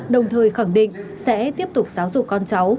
đồng thời khẳng định sẽ tiếp tục giáo dục con cháu